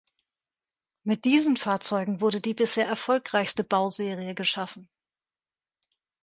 Mit diesen Fahrzeugen wurde die bisher erfolgreichste Bauserie geschaffen.